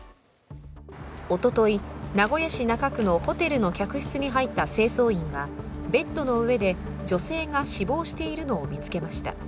おととい、名古屋市中区のホテルの客室に入った清掃員がベッドの上で女性が死亡しているのを見つけました。